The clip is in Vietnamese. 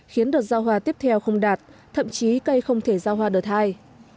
khiến đợt giao hoa tiếp theo không đạt thậm chí cây không thể giao hoa đợt hai